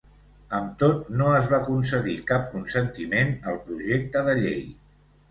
Amb tot, no es va concedir cap consentiment al projecte de llei.